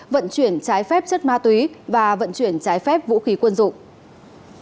vận chuyển trái phép chất ma túy và vận chuyển trái phép chất ma túy